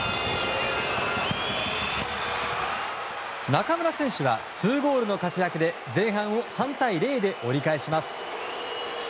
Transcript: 中村選手は２ゴールの活躍で前半を３対０で折り返します。